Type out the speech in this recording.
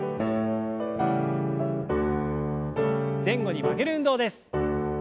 前後に曲げる運動です。